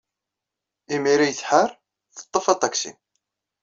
Imi ay tḥar, teḍḍef aṭaksi.